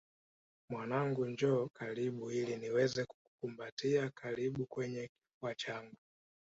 Mwanangu njoo karibu ili niweze kukukumbatia karibu kwenye kifua changu